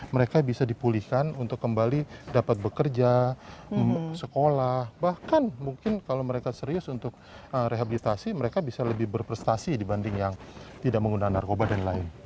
mereka bisa dipulihkan untuk kembali dapat bekerja sekolah bahkan mungkin kalau mereka serius untuk rehabilitasi mereka bisa lebih berprestasi dibanding yang tidak menggunakan narkoba dan lain